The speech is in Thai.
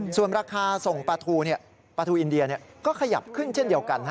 ส่วนราคาส่งปลาทูปลาทูอินเดียก็ขยับขึ้นเช่นเดียวกัน